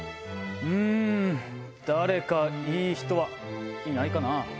うん誰かいい人はいないかな。